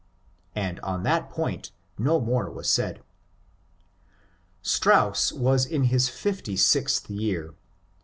'^ And on that point no more was said. Strauss was in his fifty sixth year.